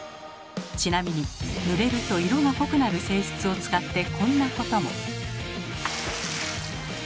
ちなみにぬれると色が濃くなる性質を使ってこんなことも。